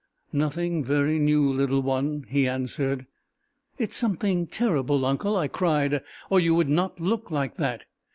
"Nothing very new, little one," he answered. "It is something terrible, uncle," I cried, "or you would not look like that!